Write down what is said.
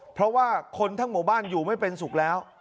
เพราะว่าคนทั้งหมู่บ้านอยู่ไม่เป็นสุขแล้ว